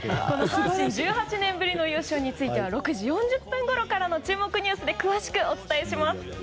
阪神１８年ぶりの優勝については６時４０分ごろからの注目ニュースで詳しくお伝えします。